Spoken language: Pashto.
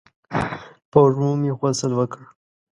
په وږمو مې غسل وکړ